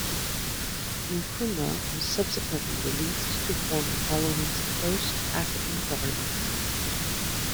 Nkrumah was subsequently released to form the colony's first African government.